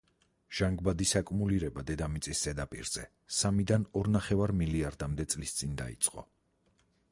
ჟანგბადის აკუმულირება დედამიწის ზედაპირზე სამიდან ორნახევარ მილიარდამდე წლის წინ დაიწყო.